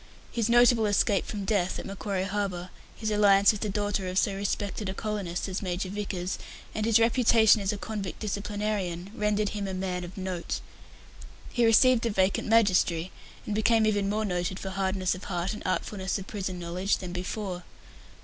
His notable escape from death at Macquarie Harbour, his alliance with the daughter of so respected a colonist as Major Vickers, and his reputation as a convict disciplinarian rendered him a man of note. He received a vacant magistracy, and became even more noted for hardness of heart and artfulness of prison knowledge than before.